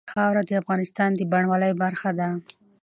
خاوره د افغانستان د بڼوالۍ برخه ده.